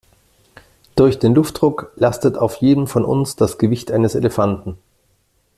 Durch den Luftdruck lastet auf jedem von uns das Gewicht eines Elefanten.